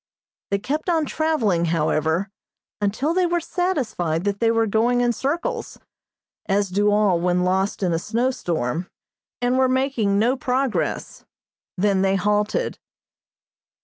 They kept on traveling, however, until they were satisfied that they were going in circles, as do all when lost in a snow storm, and were making no progress; then they halted.